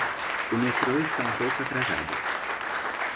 O metro está um pouco atrasado.